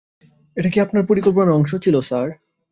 এটা কি আপনার পরিকল্পনার অংশ ছিল, স্যার?